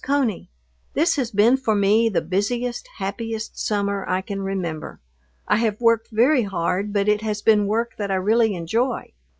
CONEY, This has been for me the busiest, happiest summer I can remember. I have worked very hard, but it has been work that I really enjoy.